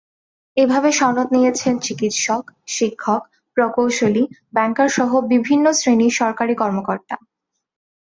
এভাবে সনদ নিয়েছেন চিকিৎসক, শিক্ষক, প্রকৌশলী, ব্যাংকারসহ বিভিন্ন শ্রেণীর সরকারি কর্মকর্তা।